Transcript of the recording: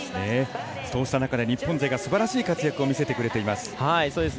そうした中で日本勢がすばらしい活躍を見せてくれています。